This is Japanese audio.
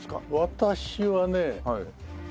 私はね。